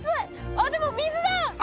あっでも水だ！